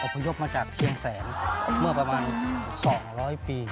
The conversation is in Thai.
พยพมาจากเชียงแสนเมื่อประมาณ๒๐๐ปี